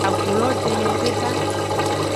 Agu lo den nyuiede ba.